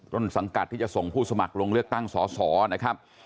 ต้นสังกัดที่จะส่งผู้สมัครลงเลือกตั้งสอสอนะครับ